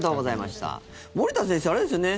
森田先生、あれですよね